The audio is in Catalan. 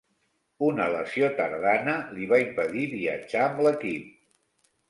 Una lesió tardana li va impedir viatjar amb l'equip.